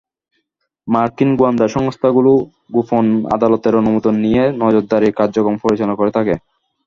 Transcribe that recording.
মার্কিন গোয়েন্দা সংস্থাগুলো গোপন আদালতের অনুমোদন নিয়ে নজরদারি কার্যক্রম পরিচালনা করে থাকে।